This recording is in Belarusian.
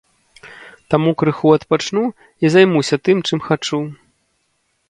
Таму крыху адпачну і займуся тым, чым хачу.